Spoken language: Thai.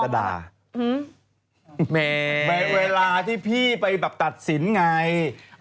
เวลาที่พี่ไปแบบตัดสินไง